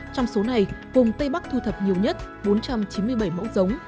trong số này vùng tây bắc thu thập nhiều nhất bốn trăm chín mươi bảy mẫu giống